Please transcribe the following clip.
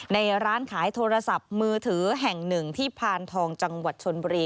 ในร้านขายโทรศัพท์มือถือแห่งหนึ่งที่พานทองจังหวัดชนบุรี